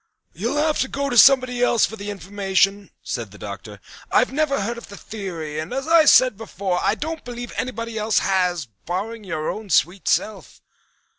"You'll have to go to somebody else for the information," said the Doctor. "I never heard of the theory and, as I said before, I don't believe anybody else has, barring your own sweet self."